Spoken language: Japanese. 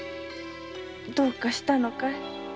どうかしたのかい？